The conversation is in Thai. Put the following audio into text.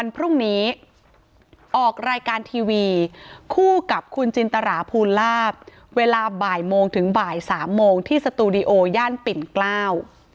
พรุ่งนี้ออกรายการทีวีคู่กับคุณจินตราภูลาภเวลาบ่ายโมงถึงบ่ายสามโมงที่สตูดิโดย่านปิ่นเกล้า